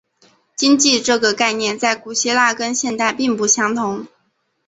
经济这个概念在古希腊跟现代并不相同。